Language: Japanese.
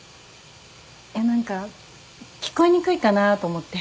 何か聞こえにくいかなと思って。